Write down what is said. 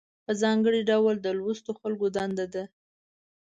په ځانګړي ډول د لوستو خلکو دنده ده.